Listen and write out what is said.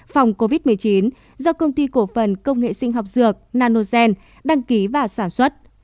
phòng covid một mươi chín do công ty cổ phần công nghệ sinh học dược nanogen đăng ký và sản xuất